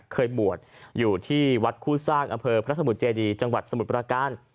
เคยบวชอยู่ที่วัดคู่สร้างอำเภอพระสมุทรเจดีจังหวัดสมุทรประการ